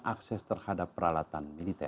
akses terhadap peralatan militer